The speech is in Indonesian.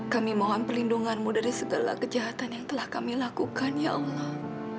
kami mohon perlindunganmu dari segala kejahatan yang telah kami lakukan ya allah